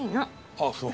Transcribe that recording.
ああそう。